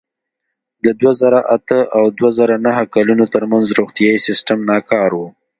د دوه زره اته او دوه زره نهه کلونو ترمنځ روغتیايي سیستم ناکار و.